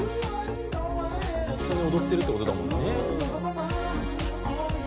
「実際に踊ってるって事だもんね」